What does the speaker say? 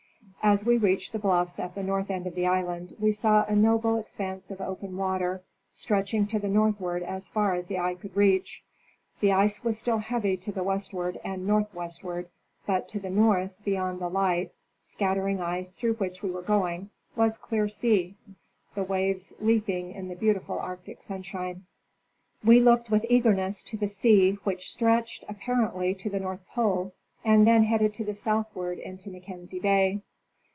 As we reached the bluffs at the north end of the island we saw a noble expanse of open water stretching to the northward as far as the eye could reach. The ice was still heavy to the westward and northwestward, but to the north, beyond the light, scattering ice through which we were going, was clear sea, the waves leap ing in the beautiful Arctic sunshine. Arctie Cruise of the U. S. S. Thetis in 1889. 189 We looked with eagerness to the sea which stretched, appar ently, to the north pole, and then headed to the southward into Mackenzie bay.